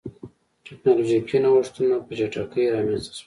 ټکنالوژیکي نوښتونه په چټکۍ رامنځته شول.